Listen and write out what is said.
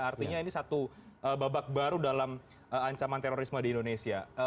artinya ini satu babak baru dalam ancaman terorisme di indonesia